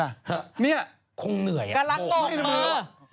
นายยกตรงทิม